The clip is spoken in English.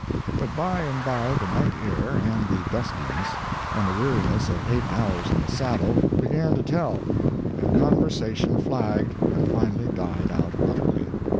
But by and by the night air, and the duskiness, and the weariness of eight hours in the saddle, began to tell, and conversation flagged and finally died out utterly.